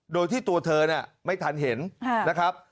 โดยที่ตัวเธอเนี่ยไม่ทันเห็นนะครับ